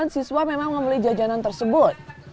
siswa memang membeli jajanan tersebut